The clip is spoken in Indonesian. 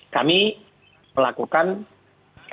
kami melakukan pendataan